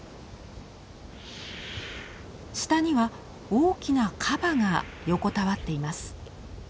下には大きなカバが横たわっています。